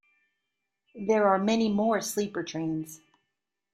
There are many more sleeper trains.